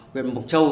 quyền mộc châu